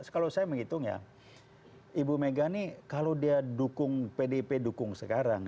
kalau saya menghitung ya ibu mega ini kalau dia dukung pdip dukung sekarang